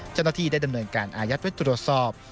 เจ้าหน้าที่ได้ดำเนินการอายัดไว้ตรวจสอบ